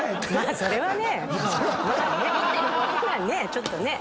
ちょっとね。